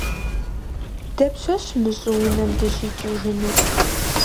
Дапщэщ мы щӀыунэм дыщикӀыжынур?